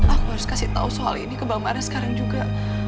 aku harus beritahu soal ini ke bang mara sekarang juga